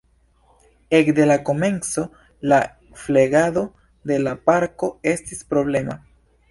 Ekde la komenco la flegado de la parko estis problema.